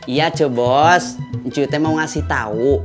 iya coh bos ncu te mau ngasih tau